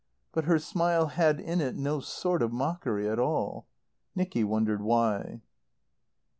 But her smile had in it no sort of mockery at all. Nicky wondered why.